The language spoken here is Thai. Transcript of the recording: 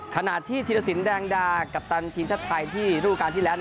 ขณะที่ธีรสินแดงดากัปตันทีมชาติไทยที่รูปการณ์ที่แล้ว